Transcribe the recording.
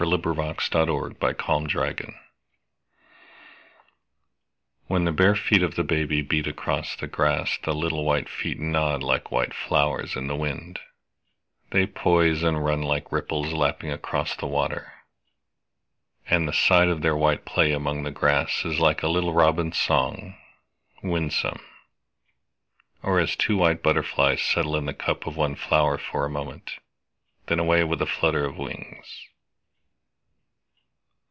Amores. 1916. 14. A Baby Running Barefoot WHEN the bare feet of the baby beat across the grassThe little white feet nod like white flowers in the wind, They poise and run like ripples lapping across the water; And the sight of their white play among the grassIs like a little robin's song, winsome, Or as two white butterflies settle in the cup of one flowerFor a moment, then away with a flutter of wings.